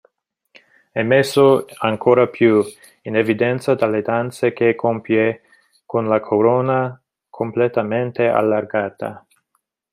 È messo ancora più in evidenza dalle danze che compie con la corona completamente allargata.